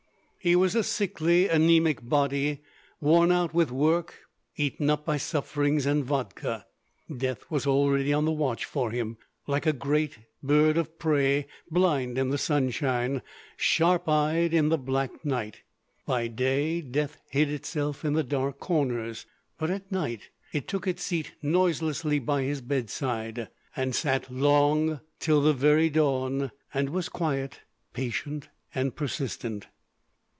His was a sickly, anaemic body, worn out with work, eaten up by sufferings and vodka. Death was already on the watch for him, like a grey bird of prey blind in the sunshine, sharp eyed in the black night. By day death hid itself in the dark corners, but at night it took its seat noiselessly by his bedside, and sat long, till the very dawn, and was quiet, patient, and persistent.